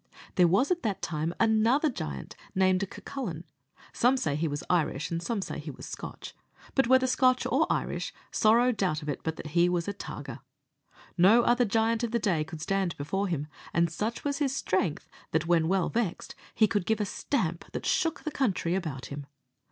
There was at that time another giant, named Cucullin some say he was Irish, and some say he was Scotch but whether Scotch or Irish, sorrow doubt of it but he was a targer. No other giant of the day could stand before him; and such was his strength, that, when well vexed, he could give a stamp that shook the country about him.